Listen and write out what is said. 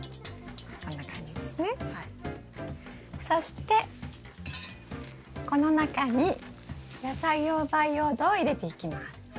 そしてこの中に野菜用培養土を入れていきます。